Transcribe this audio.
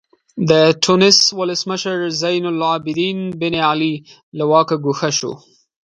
د ټونس ولسمشر زین العابدین بن علي له واکه ګوښه شو.